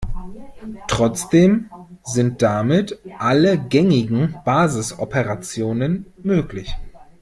Trotzdem sind damit alle gängigen Basisoperationen möglich.